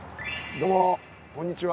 どうもこんにちは。